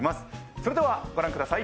それではご覧ください。